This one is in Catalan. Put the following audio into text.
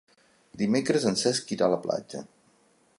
Dimecres en Cesc irà a la platja.